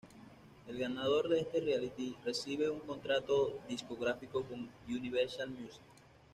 El ganador de este "reality" recibe un contrato discográfico con Universal Music.